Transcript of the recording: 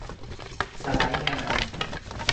สไลด์งาน